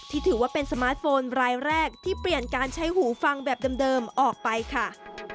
ถือว่าเป็นสมาร์ทโฟนรายแรกที่เปลี่ยนการใช้หูฟังแบบเดิมออกไปค่ะ